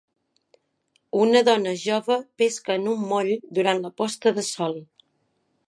una dona jove pesca en un moll durant la posta de sol.